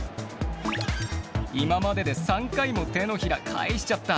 今までで３回も手のひら返しちゃった。